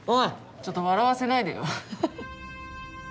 ちょっと笑わせないでよアハハ。